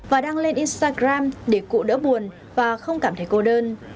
và đăng lên instagram để cụ đỡ buồn và không cảm thấy cô đơn